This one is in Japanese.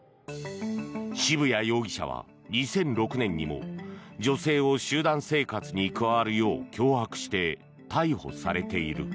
渋谷容疑者は２００６年にも女性を集団生活に加わるよう脅迫して逮捕されている。